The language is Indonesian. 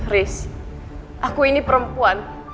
riz aku ini perempuan